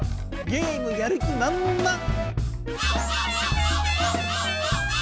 ゲームやる気まんまん！